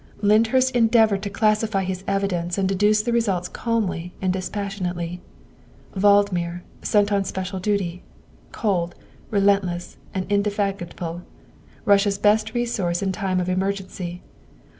'' Lyndhurst endeavored to classify his evidence and deduce the results calmly and dispassionately. Valdmir, sent on special duty. Cold, relentless, and indefatigable, Russia's best resource in time of emer gency.